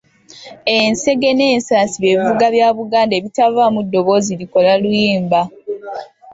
Enseege n’Ensaasi bye'bivuga bya Buganda ebitavaamu ddoboozi likola luyimba.